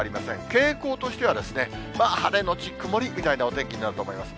傾向としては、晴れ後曇りみたいなお天気になると思います。